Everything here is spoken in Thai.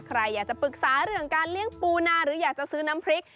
ใครอยากจะปรึกษาเรื่องการเลี้ยงปูนาหรืออยากจะซื้อน้ำพริก